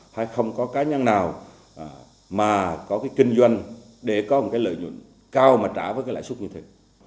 hay không có cá nhân nào mà có cái kinh doanh để có một cái lợi nhuận cao mà trả với cái lãi suất như thế